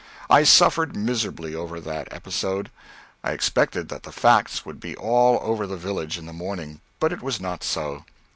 I suffered miserably over that episode. I expected that the facts would be all over the village in the morning, but it was not so.